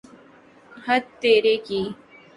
ہت تیرے کی!